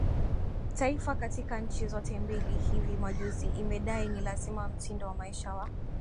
Taifa katika nchi zote mbili Hivi majuzi imedai ni lazima mtindo wa maisha wa